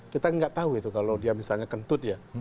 kita nggak tahu itu kalau dia misalnya kentut ya